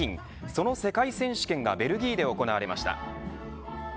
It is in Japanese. その世界選手権がベルギーで行われました。